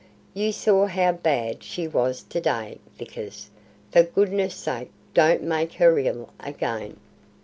"You saw how bad she was to day, Vickers. For goodness sake don't make her ill again."